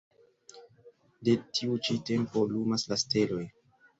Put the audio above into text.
De tiu ĉi tempo lumas la steloj.